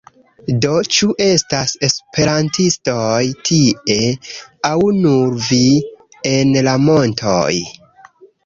Do, ĉu estas esperantistoj tie? aŭ nur vi? en la montoj?